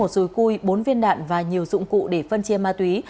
một dùi cui bốn viên đạn và nhiều dụng cụ để phân chia ma túy